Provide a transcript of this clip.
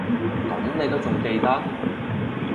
噉你都仲記得